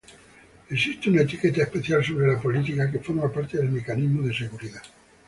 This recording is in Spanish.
Existe una etiqueta especial sobre la política que forma parte del mecanismo de seguridad.